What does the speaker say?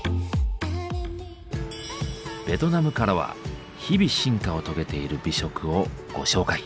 ベトナムからは日々進化を遂げている美食をご紹介。